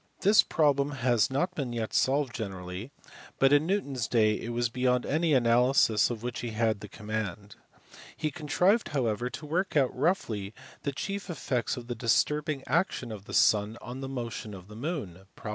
This problem has not been yet solved generally, but in Newton s day it was beyond any analysis of which he had the command : he contrived however to work out roughly the chief effects of the dis turbing action of the sun on the motion of the moon (prop.